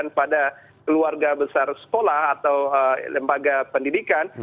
dan pada keluarga besar sekolah atau lembaga pendidikan